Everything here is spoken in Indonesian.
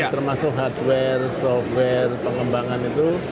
termasuk hardware software pengembangan itu